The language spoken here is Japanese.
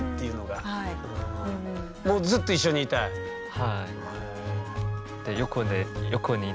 はい。